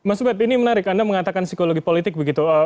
mas ubed ini menarik anda mengatakan psikologi politik begitu